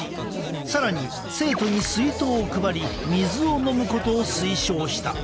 更に生徒に水筒を配り水を飲むことを推奨した。